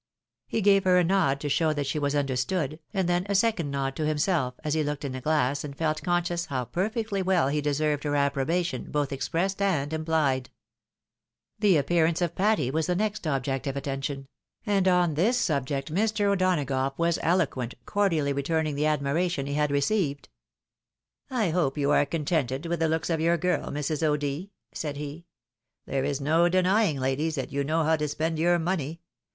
He gave her a nod to show that she was understood, and then a second nod to himself, as he looked in the glass and felt conscious how perfectly well he deserved her approbation both expressed and imphed. The appearance of Patty was the next object of attention ; and on this subject Mr. O'Donagough was eloquent, cordially returning the admiration he had received. " I hope you are contented with the looks of your girl, Mrs. O'D. ?" said he. " There is no denying, ladies, that you know how to spend your money.